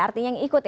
artinya yang ikut ya